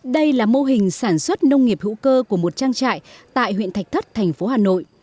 đây là mô hình sản xuất nông nghiệp hữu cơ của một trang trại tại huyện thạch thất thành phố hà nội